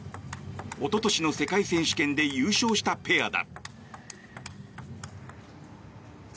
おととしの世界選手権で優勝したペアだ。